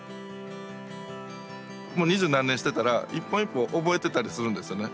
二十何年してたら一本一本覚えてたりするんですよね。